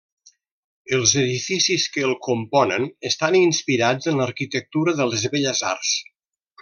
Els edificis que el componen estan inspirats en l'arquitectura de les Belles Arts.